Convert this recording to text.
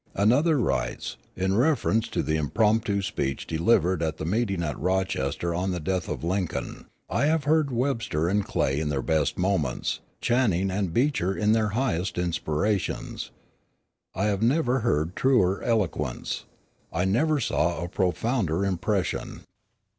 Another writes, in reference to the impromptu speech delivered at the meeting at Rochester on the death of Lincoln: "I have heard Webster and Clay in their best moments, Channing and Beecher in their highest inspirations. I never heard truer eloquence. I never saw profounder impression."